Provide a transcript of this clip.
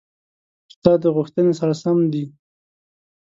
ستا د غوښتنې سره سم دي: